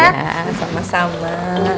ya sama sama